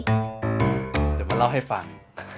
เดี๋ยวมาเล่าให้ฟัง